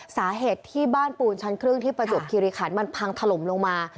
สาเหตุที่บ้านปูนชั้นครึ่งที่ประจวบคิริขันมันพังถล่มลงมา